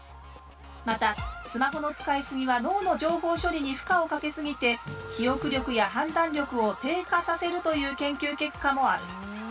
またスマホの使い過ぎは脳の情報処理に負荷をかけ過ぎて記憶力や判断力を低下させるという研究結果もある。